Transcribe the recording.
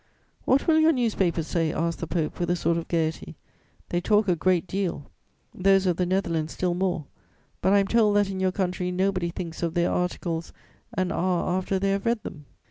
"'What will your newspapers say?' asked the Pope, with a sort of gaiety. 'They talk a great deal! Those of the Netherlands still more; but I am told that, in your country, nobody thinks of their articles an hour after they have read them.'